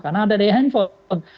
karena ada di handphone